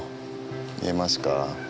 見えますか？